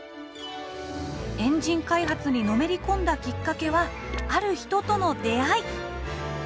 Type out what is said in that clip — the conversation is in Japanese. エンジン開発にのめり込んだきっかけはある人との出会い。